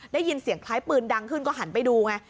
ได้ยินเสียงคล้ายปืนดังขึ้นก็หันไปดูไง